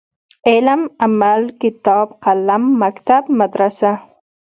علم ،عمل ،کتاب ،قلم ،مکتب ،مدرسه